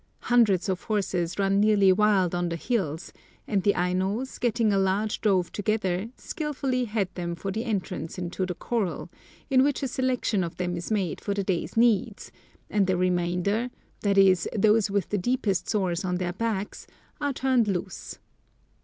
Hundreds of horses run nearly wild on the hills, and the Ainos, getting a large drove together, skilfully head them for the entrance into the corral, in which a selection of them is made for the day's needs, and the remainder—that is, those with the deepest sores on their backs—are turned loose.